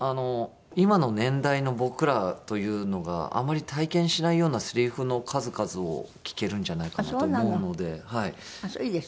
今の年代の僕らというのがあまり体験しないようなせりふの数々を聞けるんじゃないかなと思うのではい。